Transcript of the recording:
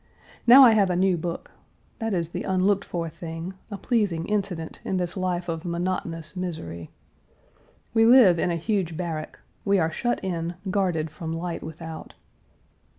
Now I have a new book; that is the unlooked for thing, a pleasing incident in this life of monotonous misery. We live in a huge barrack. We are shut in, guarded from light without.